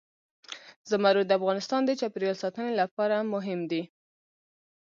زمرد د افغانستان د چاپیریال ساتنې لپاره مهم دي.